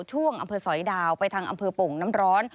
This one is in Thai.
ช่วงอำเภอสอยดาวไปทางอำเภอโป่งน้ำร้อน